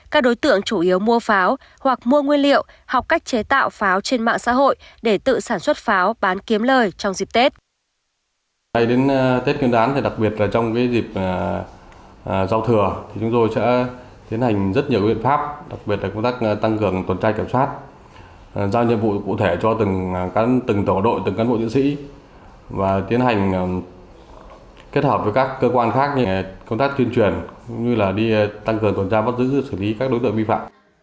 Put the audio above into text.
các đối tượng chủ yếu mua pháo hoặc mua nguyên liệu học cách chế tạo pháo trên mạng xã hội để tự sản xuất pháo bán kiếm lời trong dịp tết